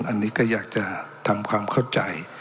อันนี้ก็อยากจะทำความเข้าใจ